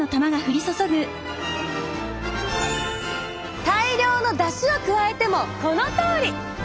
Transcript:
大量のだしを加えてもこのとおり！